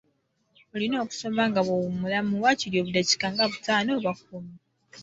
Olina okusoma nga bw'owummulamu, waakiri obudaakiika nga butaano oba kkumi.